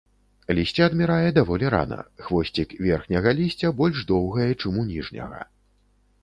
Лісце адмірае даволі рана, хвосцік верхняга лісця больш доўгае, чым у ніжняга.